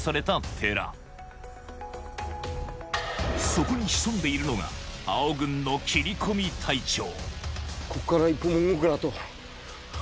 そこに潜んでいるのが青軍の切り込み隊長大将